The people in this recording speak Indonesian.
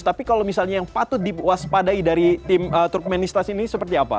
tapi kalau misalnya yang patut diwaspadai dari tim turkmenistan ini seperti apa